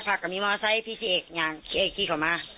ว่าก็มีมอเซ็ตพี่ที่เอกเนี่ยเอกที่เข้ามา